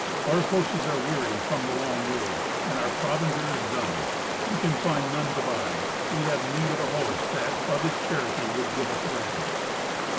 Our horses are weary from the long way, and our provender is done. We can find none to buy. We have need of a host that, of his charity, would give us bread."